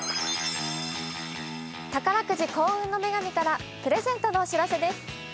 宝くじ「幸運の女神」からプレゼントのお知らせです。